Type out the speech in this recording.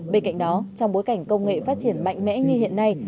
bên cạnh đó trong bối cảnh công nghệ phát triển mạnh mẽ như hiện nay